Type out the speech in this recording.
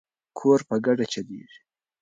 کور په ګډه چلیږي.